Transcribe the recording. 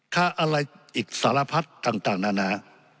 ค่าอะไรอีกสารพัดต่างนานา